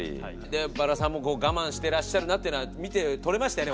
でバラさんも我慢してらっしゃるなっていうのは見て取れましたよね